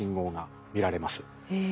へえ。